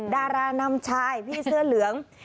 ดารานำชายพี่เสื้อเหลือง